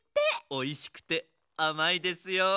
おいしくてあまいですよ。